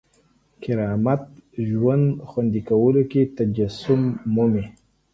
کرامت ژوند خوندي کولو کې تجسم مومي.